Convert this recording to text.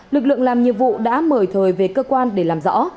lực lượng làm nhiệm vụ đã mời thời về cơ quan để làm rõ